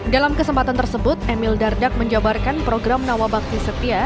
dalam kesempatan tersebut emil dardak menjabarkan program nawabakti setia